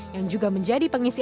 yang juga menjadi pengisian